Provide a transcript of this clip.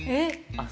・・あっ